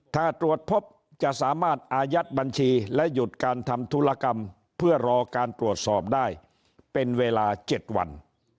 ถ้าตรวจพบจะสามารถอายัดบัญชีและหยุดการทำธุรกรรมเพื่อรอการตรวจสอบได้เป็นเวลา๗วัน